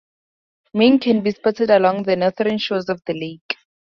Mink can be spotted along the northern shores of the lake.